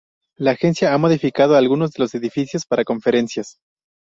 La Agencia ha modificado algunos de los edificios para conferencias.